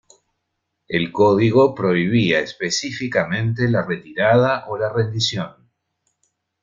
El código prohibía específicamente la retirada o la rendición.